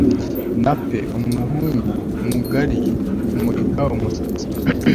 nape umuhungu-mugari. kumurika umusatsi